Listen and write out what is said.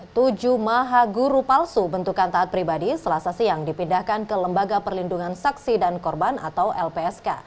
tujuh maha guru palsu bentukan taat pribadi selasa siang dipindahkan ke lembaga perlindungan saksi dan korban atau lpsk